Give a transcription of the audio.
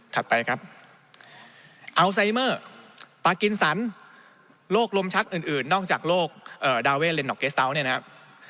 ไปครับอัลไซเมอร์ปากินสันโรคลมชักอื่นนอกจากโรคดาเว่เลนออกเกสเตาทเนี่ยนะครับ